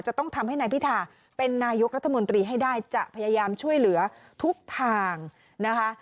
จะต้องทำให้นายพิธาเป็นนายกรัฐมนตรีให้ได้จะพยายามช่วยเหลือทุกทางนะคะ